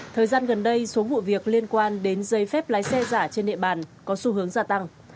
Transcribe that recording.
thời gian gần đây số vụ việc liên quan đến giấy phép lái xe giả trên địa bàn có xu hướng gia tăng